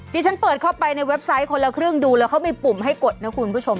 ที่ฉันเปิดเข้าไปในเว็บไซต์คนละครึ่งดูแล้วเขามีปุ่มให้กดนะคุณผู้ชม